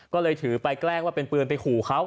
ก็เลยถือไปแกล้งว่าเป็นปืนไปขู่เขา